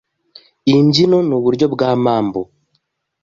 Iyi mbyino n’uburyo bwa mambo